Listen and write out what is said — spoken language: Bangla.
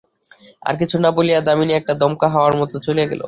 আর কিছু না বলিয়া দামিনী একটা দমকা হাওয়ার মতো চলিয়া গেল।